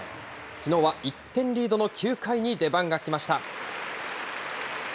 きのうは１点リードの９回に出番が来ました。